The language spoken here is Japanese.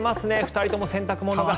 ２人とも洗濯物が。